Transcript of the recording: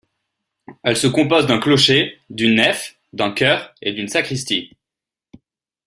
Elle se compose d'un clocher, d'une nef, d'un chœur et d'une sacristie.